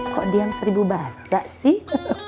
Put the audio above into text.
kok diam seribu bahasa sih